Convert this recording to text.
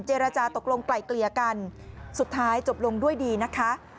เจรจาตกลงไกลเกลี่ยกันสุดท้ายจบลงด้วยดีนะคะ